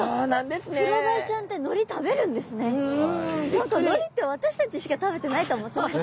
何かのりって私たちしか食べてないと思ってました。